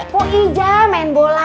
pak ija main bola